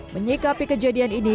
menyikapi kejadian ini